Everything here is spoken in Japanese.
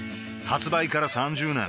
発売から３０年